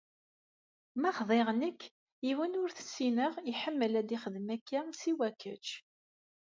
Ma xḍiɣ nekk, yiwen ur t-ssineɣ iḥemmel ad ixdem akka siwa kečč.